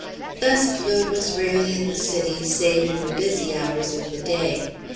Thus Claude was rarely in the city save in the busy hours of the day.